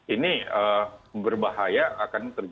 ini berbahaya akan terjadi